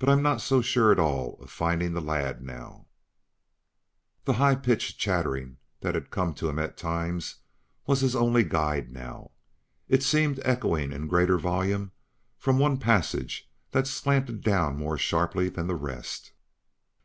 But I'm not so sure at all of findin' the lad now." That high pitched chattering that had come to him at times was his only guide now. It seemed echoing in greater volume from one passage that slanted down more sharply than the rest.